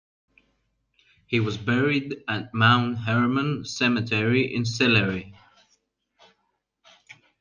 He was buried at Mount Hermon Cemetery in Sillery.